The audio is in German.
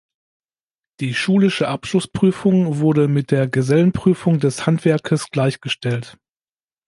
Die schulische Abschlussprüfung wurde mit der Gesellenprüfung des Handwerkes gleichgestellt.